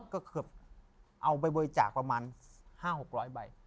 ก็เกือบเอาไปบริจาคประมาณ๕๖๐๐ใบ